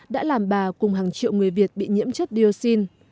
đã làm bà cùng hàng triệu người việt bị nhiễm chất dioxin